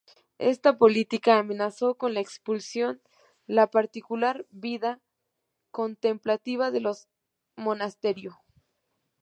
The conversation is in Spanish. Esta política amenazó con la expulsión la particular vida contemplativa de los monasterio.